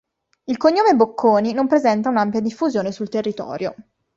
Il cognome Bocconi non presenta un'ampia diffusione sul territorio.